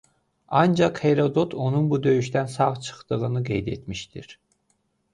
Ancaq Herodot onun bu döyüşdən sağ çıxdığını qeyd etmişdir.